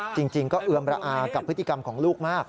จริงก็เอือมระอากับพฤติกรรมของลูกมาก